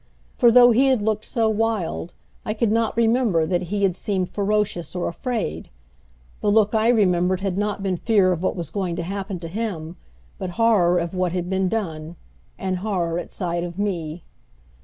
For though he had looked so wild I could not remember that he had seemed ferocious or afraid. The look I remembered had not been fear of what was going to happen to him, but horror of what had been done and horror at sight of me.